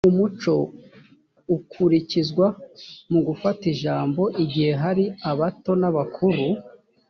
umuco ukurikizwa mu gufata ijambo igihe hari abato nabakuru